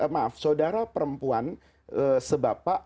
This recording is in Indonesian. maaf saudara perempuan sebapak